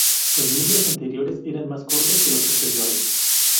Los miembros anteriores eran más cortos que los posteriores.